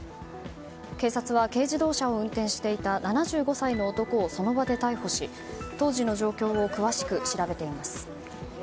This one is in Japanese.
警察は軽自動車を運転していた７５歳の男をその場で逮捕し当時の状況を詳しく調べています。